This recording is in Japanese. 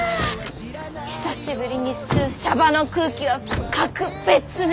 久しぶりに吸うシャバの空気は格別ね！